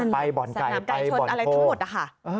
ไปบ่อนไก่ไปบ่อนโคสนามไก่ชนอะไรทั้งหมด